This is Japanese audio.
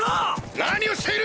何をしている！